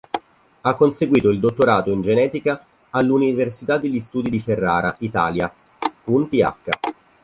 Ha conseguito il dottorato in genetica all'Università degli Studi di Ferrara, Italia, un Ph.